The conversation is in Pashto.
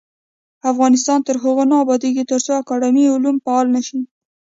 افغانستان تر هغو نه ابادیږي، ترڅو اکاډمي علوم فعاله نشي.